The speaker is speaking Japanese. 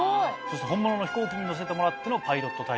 そして本物の飛行機に乗せてもらってのパイロット体験。